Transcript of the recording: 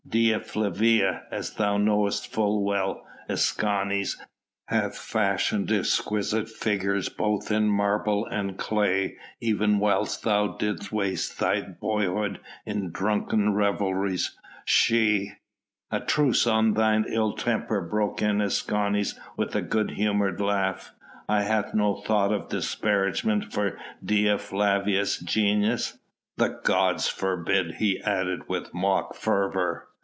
"Dea Flavia, as thou knowest full well, Escanes, hath fashioned exquisite figures both in marble and in clay even whilst thou didst waste thy boyhood in drunken revelries. She " "A truce on thine ill temper," broke in Escanes with a good humoured laugh. "I had no thought of disparagement for Dea Flavia's genius. The gods forbid!" he added with mock fervour.